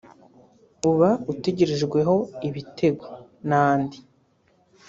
uba utegerejweho ibitego) n’andi